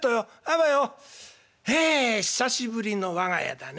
はあ久しぶりの我が家だね。